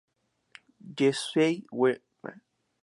Yusei gana.